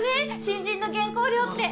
新人の原稿料って！